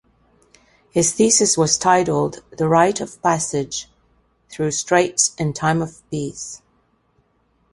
His thesis was titled "The right of passage through straits in time of peace".